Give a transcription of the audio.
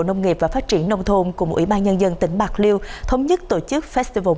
nông nghiệp và phát triển nông thôn cùng ủy ban nhân dân tỉnh bạc liêu thống nhất tổ chức festival